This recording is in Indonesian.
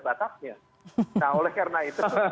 batasnya nah oleh karena itu